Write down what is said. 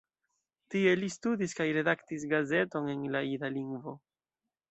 Tie li studis kaj redaktis gazeton en la jida lingvo.